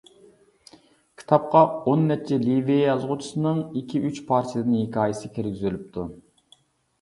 كىتابقا ئون نەچچە لىۋىيە يازغۇچىسىنىڭ ئىككى-ئۈچ پارچىدىن ھېكايىسى كىرگۈزۈلۈپتۇ.